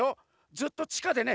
ずっとちかでね